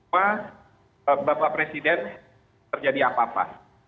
bahwa bapak presiden terjadi apa apa